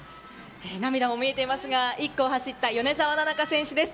涙も見えていますが、１区を走った米澤奈々香選手です。